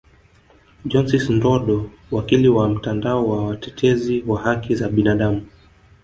Johnsis Ndodo wakili wa mtandao wa watetezi wa haki za binadamu